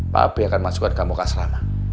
papi akan masukkan kamu ke asrama